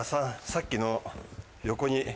さっきの横に。